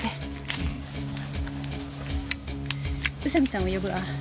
宇佐見さんを呼ぶわ。